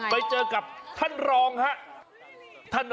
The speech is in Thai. ไปเจอกับท่านรองครับ